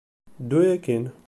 Ddu akkin!